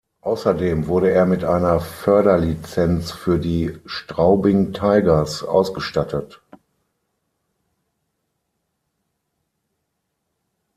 Außerdem wurde er mit einer Förderlizenz für die Straubing Tigers ausgestattet.